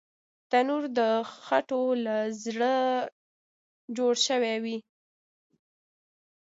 تنور د خټو له زړه جوړ شوی وي